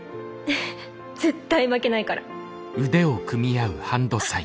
絶対負けないから！